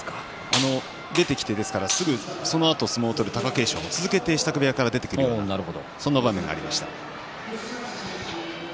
出てきて、そのあと相撲を取る貴景勝も続けて支度部屋から出てくるようなそんな場面がありました。